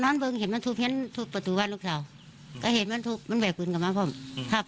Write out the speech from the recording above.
นางผู้เผยน้องค่ะ